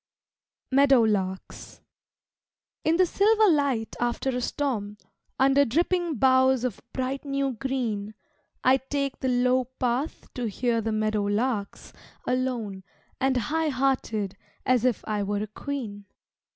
Meadowlarks In the silver light after a storm, Under dripping boughs of bright new green, I take the low path to hear the meadowlarks Alone and high hearted as if I were a queen.